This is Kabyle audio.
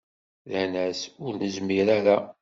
Rran-as: Ur nezmir ara.